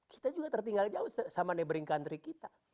kita juga tertinggal jauh sama nebering country kita